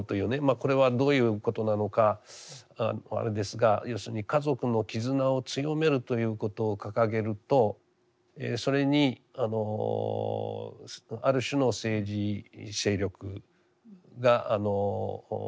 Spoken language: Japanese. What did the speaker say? これはどういうことなのかあれですが要するに家族の絆を強めるということを掲げるとそれにある種の政治勢力が共鳴する。